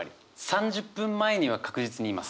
３０分前には確実にいます。